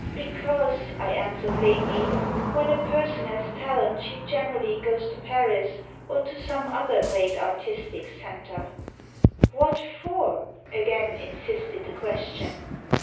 "Because," I answered lamely, "when a person has talent she generally goes to Paris or to some other great artistic center." "What for?" again insisted the question.